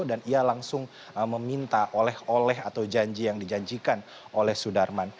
dan ia langsung meminta oleh oleh atau janji yang dijanjikan oleh sudarman